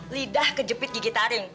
lidah kejepit gigi taring